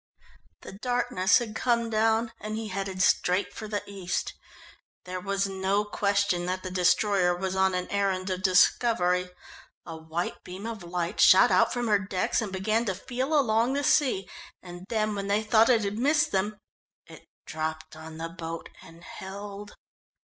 The darkness had come down, and he headed straight for the east. There was no question that the destroyer was on an errand of discovery. A white beam of light shot out from her decks, and began to feel along the sea. And then when they thought it had missed them, it dropped on the boat and held.